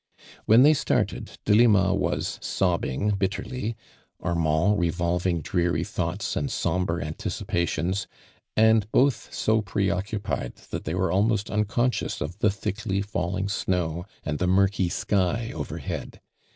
When they started, Delima was sobbing bitterly, Armand revolving dreary thoughts and sombre anticipations, and both so pre occupied that they were almost unconscious of the thickly falling snow and the murky sky over head.